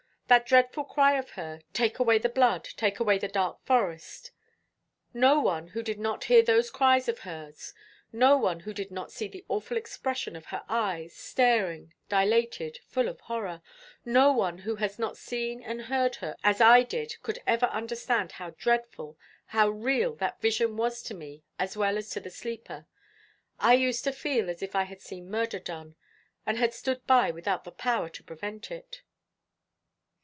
That dreadful cry of hers, 'Take away the blood! take away the dark forest!' No one who did not hear those cries of hers, no one who did not see the awful expression of her eyes, staring, dilated, full of horror; no one who had not seen and heard her as I did could ever understand how dreadful, how real that vision was to me as well as to the sleeper. I used to feel as if I had seen murder done, and had stood by without the power to prevent it."